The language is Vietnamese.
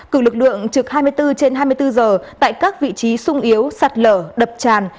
cử lực lượng trực hai mươi bốn trên hai mươi bốn giờ tại các vị trí sung yếu sạt lở đập tràn